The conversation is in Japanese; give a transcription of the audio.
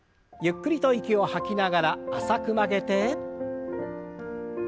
ゆっくりと息を吐きながら浅く曲げて。